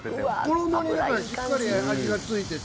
衣にだからしっかり味が付いてて。